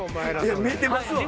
見えてますわ。